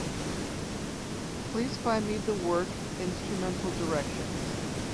Please find me the work, Instrumental Directions.